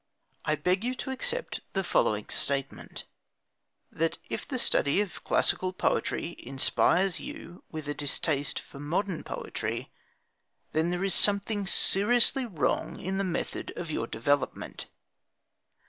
(I beg you to accept the following statement: that if the study of classical poetry inspires you with a distaste for modern poetry, then there is something seriously wrong in the method of your development.)